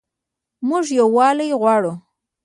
موږ یووالی غواړو